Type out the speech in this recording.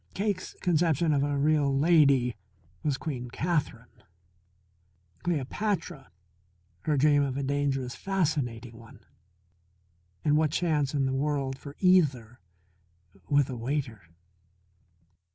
Cake's conception of a real lady was Queen Katherine; Cleopatra her dream of a dangerous, fascinating one. And what chance in the world for either with a waiter?